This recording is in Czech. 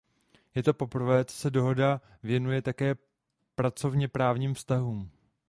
Je to poprvé, co se dohoda věnuje také pracovněprávním vztahům.